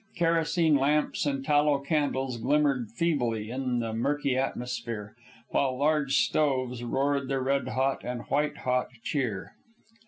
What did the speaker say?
Kerosene lamps and tallow candles glimmered feebly in the murky atmosphere, while large stoves roared their red hot and white hot cheer.